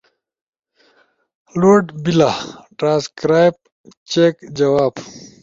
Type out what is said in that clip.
لوڈ بیلا۔۔، ٹرانسکرائیب، چیک، جواب